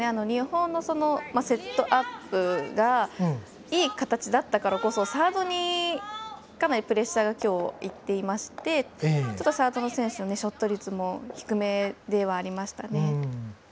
日本のセットアップがいい形だったからこそ、サードにかなりプレッシャーがいっていましてちょっとサードの選手のショット率も低めでした。